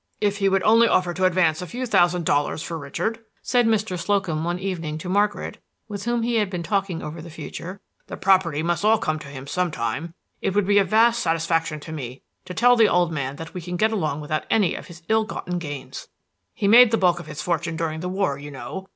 "If he would only offer to advance a few thousand dollars for Richard," said Mr. Slocum, one evening, to Margaret, with whom he had been talking over the future "the property must all come to him some time, it would be a vast satisfaction to me to tell the old man that we can get along without any of his ill gotten gains. He made the bulk of his fortune during the war, you know.